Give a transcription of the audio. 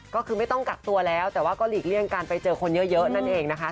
ก็คือไม่ต้องกักตัวแล้วแต่ว่าก็หลีกเลี่ยงการไปเจอคนเยอะนั่นเองนะคะ